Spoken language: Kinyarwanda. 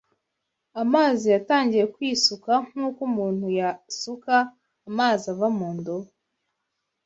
amazi yatangiye kwisuka nk’uko umuntu yasuka amazi ava mu ndobo